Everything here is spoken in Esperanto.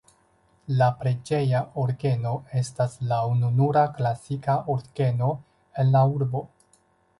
La preĝeja orgeno estas la ununura klasika orgeno en la urbo.